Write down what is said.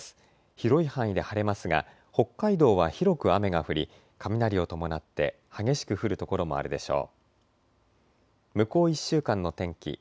広い範囲で晴れますが北海道は広く雨が降り雷を伴って激しく降る所もあるでしょう。